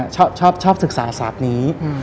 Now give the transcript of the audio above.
ชอบศึกษาศาสตร์นี้